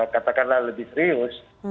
katakanlah lebih serius